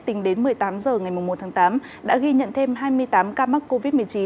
tính đến một mươi tám h ngày một tháng tám đã ghi nhận thêm hai mươi tám ca mắc covid một mươi chín